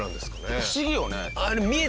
不思議よね。